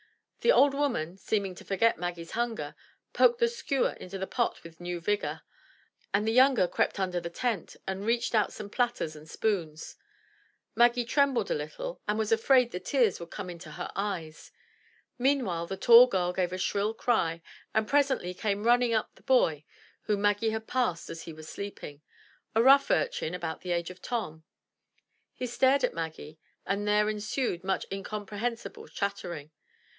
The old woman, seeming to forget Maggie's hunger, poked the skewer into the pot with new vigor, and the younger crept under the tent, and reached out some platters and spoons. Maggie trembled a little and was afraid the tears would come into her eyes. Meanwhile the tall girl gave a shrill cry and presently came running up the boy whom Maggie had passed as he was sleeping, — a rough urchin about the age of Tom. He stared at Maggie and there ensued much incomprehensible chattering.